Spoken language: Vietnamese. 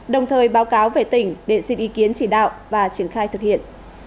đồng thời báo cáo về tỉnh để xin ý kiến chỉ đạo và triển khai thực hiện